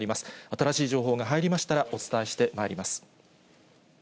新しい情報が入りましたら、お伝えしてまいります。